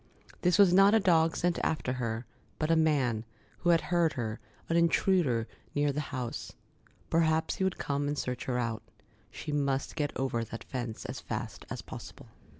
This was not a dog sent after her, but a man, who had heard her, an intruder, near the house. Perhaps he would come and search her out. She must get over that fence as fast as possible.